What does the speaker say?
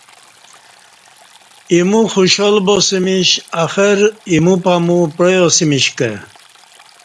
ایمو خوشحال باسمش اخر ا یمو پامو پعیاسمش کہ